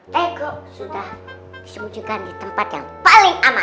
teko sudah disembunyikan di tempat yang paling aman